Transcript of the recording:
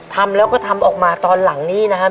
ทำแล้วก็ทำออกมาตอนหลังนี้นะครับ